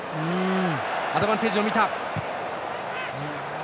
アドバンテージをみた。